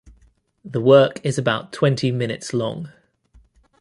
The work is about twenty minutes long.